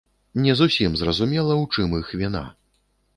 Не зусім зразумела, у чым іх віна.